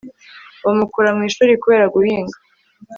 bamukura mu ishuri kubera guhinga